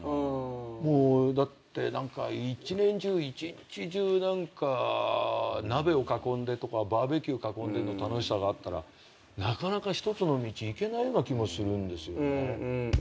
もうだって一年中一日中鍋を囲んでとかバーベキュー囲んでの楽しさがあったらなかなか一つの道いけないような気もするんですよ。